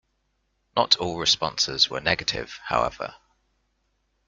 Not all responses were negative, however.